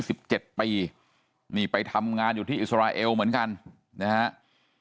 นี่ในนี่ไปทำงานที่อิสราเอลเหมือนกันนะครับ